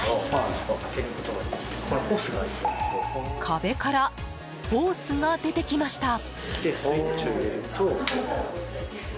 壁からホースが出てきました。